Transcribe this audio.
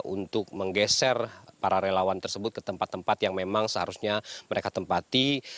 untuk menggeser para relawan tersebut ke tempat tempat yang memang seharusnya mereka tempati